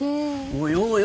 およおよ